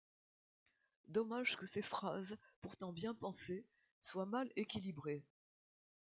Dommage que ces phases, pourtant bien pensées, soient mal équilibrées.